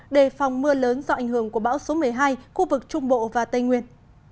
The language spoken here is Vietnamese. đề phòng mưa lớn do ảnh hưởng của bão số một mươi hai khu vực trung bộ và tây nguyên